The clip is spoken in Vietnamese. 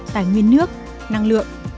tài nguyên nước năng lượng